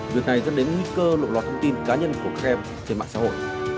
việc này dẫn đến nguy cơ lộ lọt thông tin cá nhân của các em trên mạng xã hội